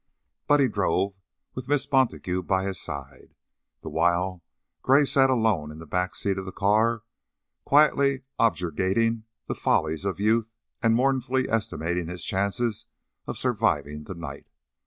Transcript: Buddy drove, with Miss Montague by his side, the while Gray sat alone in the back seat of the car quietly objurgating the follies of youth and mournfully estimating his chances of surviving the night.